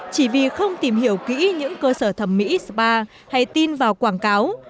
chỉ vì không tìm hiểu kỹ những cơ sở thẩm mỹ spa hay tin vào quảng cáo